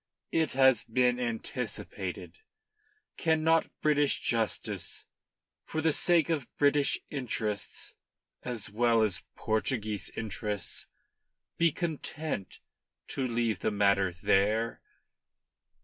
It has been anticipated. Cannot British justice, for the sake of British interests as well as Portuguese interests, be content to leave the matter there?"